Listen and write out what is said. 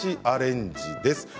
アレンジです。